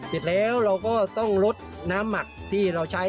เสร็จแล้วเราก็ต้องลดน้ำหมักที่เราใช้